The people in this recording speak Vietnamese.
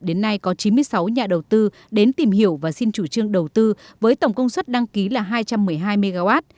đến nay có chín mươi sáu nhà đầu tư đến tìm hiểu và xin chủ trương đầu tư với tổng công suất đăng ký là hai trăm một mươi hai mw